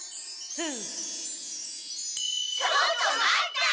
ちょっと待った！